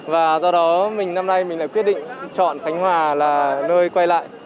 và do đó mình năm nay mình lại quyết định chọn khánh hòa là nơi quay lại